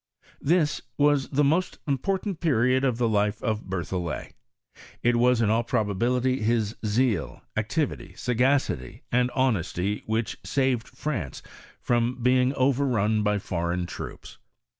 This was the most important period of the life of of Berthoilet. It was in all probability his zeal, activity, sagacity, and honesty, which saved Francs from being overrun by foreign troops.